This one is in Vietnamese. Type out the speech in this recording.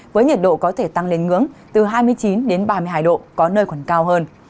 với nhiệt độ có thể tăng lên ngưỡng từ hai mươi chín đến ba mươi hai độ có nơi còn cao hơn